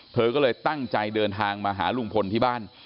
เธอก็เลยตั้งใจเดินทางมาหาลุงพลที่บ้าน